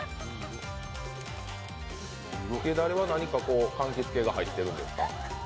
つけだれは何かかんきつ系が入っているんですか？